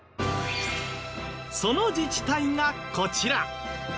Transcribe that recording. その自治体がこちら。